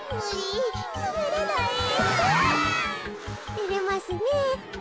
てれますねえ。